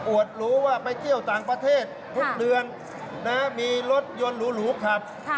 รู้ว่าไปเที่ยวต่างประเทศทุกเดือนมีรถยนต์หรูขับ